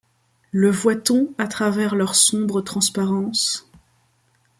Le voit-on à travers leurs sombres transparences ?